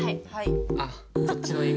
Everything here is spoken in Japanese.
はい。